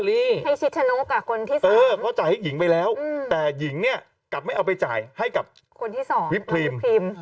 ให้ชิดชนกกับคนที่๒เพราะจ่ายให้หญิงไปแล้วแต่หญิงเนี่ยกลับไม่เอาไปจ่ายให้กับคนที่สองวิปครีมครีม